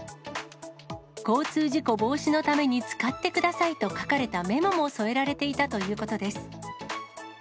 交通事故防止のために使ってくださいと書かれたメモも添えられていたということです。